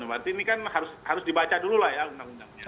berarti ini kan harus dibaca dulu lah ya undang undangnya